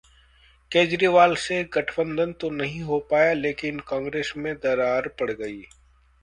केजरीवाल से गठबंधन तो नहीं हो पाया लेकिन कांग्रेस में दरार पड़ गई